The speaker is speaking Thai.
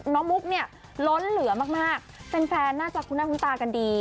น้องมุกเนี่ยล้นเหลือมากเป็นแฟนหน้าจากเขาหน้าคุณตากันดี